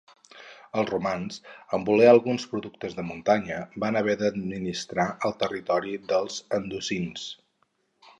Els romans, en voler alguns productes de muntanya, van haver d'administrar el territori dels andosins.